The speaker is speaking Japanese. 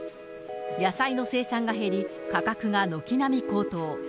野菜の生産が減り、価格が軒並み高騰。